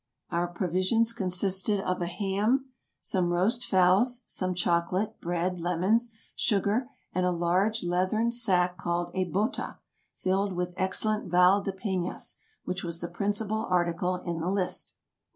Our provisions consisted of a ham, some roast fowls, some chocolate, bread, lemons, sugar, and a large leathern sack called a bota, filled with excellent Val de Penas, which was the principal article in the list.